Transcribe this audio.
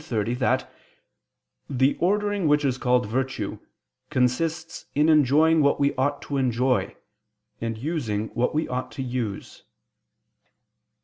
30) that "the ordering which is called virtue consists in enjoying what we ought to enjoy, and using what we ought to use."